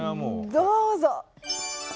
どうぞ！